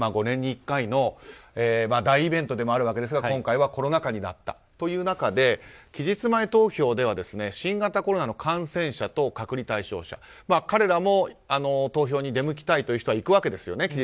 ５年に１回の大イベントでもあるわけですが今回はコロナ禍になったという中で期日前投票では新型コロナの感染者と隔離対象者彼らも投票に出向きたい人は行くわけですよね。